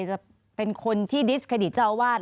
จะเป็นคนที่ดิสคฤตเจ้าบ้าน